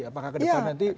apakah ke depan nanti